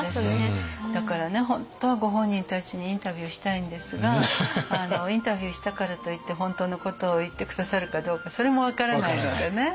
だからね本当はご本人たちにインタビューしたいんですがインタビューしたからといって本当のことを言って下さるかどうかそれも分からないのでね。